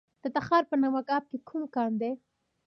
د تخار په نمک اب کې کوم کان دی؟